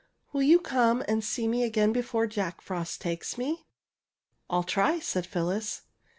Will you come and see me again before Jack Frost takes me? " ^^I'U try," said PhyUis.